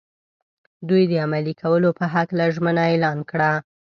دوی د عملي کولو په هکله ژمنه اعلان کړه.